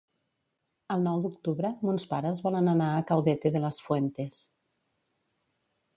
El nou d'octubre mons pares volen anar a Caudete de las Fuentes.